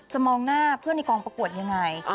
มองหน้าเพื่อนในกองประกวดยังไง